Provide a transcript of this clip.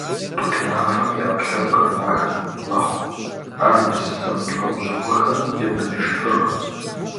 Тутынафэм и Ӏэпкълъэпкъыр махэ мэхъу, ар уз зэмылӀэужьыгъуэхэм ебэныжыфыркъым.